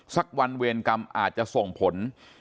สักวันเวรกรรมอาจจะส่งผล